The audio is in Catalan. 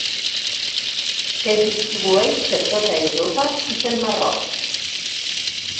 Es distribueix per tota Europa i pel Marroc.